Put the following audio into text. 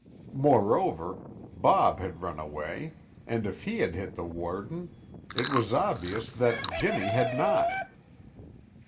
Moreover, Bob had run away, and if he had hit the warden, it was obvious that Jimmy had not.